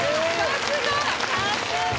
さすが！